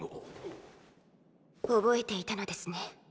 覚えていたのですね。